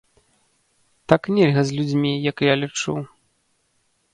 Так нельга з людзьмі, як я лічу.